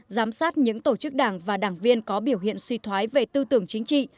giám sát những tổ chức đảng và đảng viên có biểu hiện suy thoái về tư tưởng chính trị